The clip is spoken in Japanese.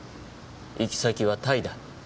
行き先はタイだ。